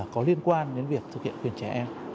có liên quan đến việc thực hiện quyền trẻ em